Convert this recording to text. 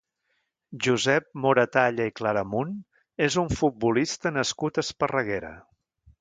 Josep Moratalla i Claramunt és un futbolista nascut a Esparreguera.